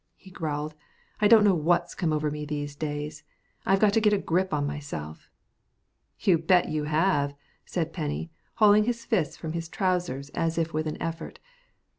he growled, "I don't know what's come over me these days. I've got to get a grip on myself." "You bet you have," said Penny, hauling his fists from his trousers as if with an effort.